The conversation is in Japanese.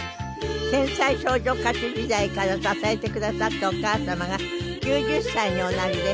天才少女歌手時代から支えてくださったお母様が９０歳におなりです。